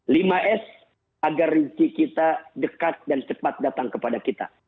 lima s agar rizki kita dekat dan cepat datang kepada kita